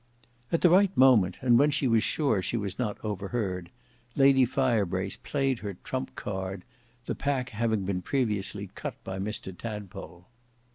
At the right moment, and when she was sure she was not overheard, Lady Firebrace played her trump card, the pack having been previously cut by Mr Tadpole.